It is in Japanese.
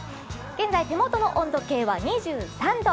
現在、手元の温度計は２３度。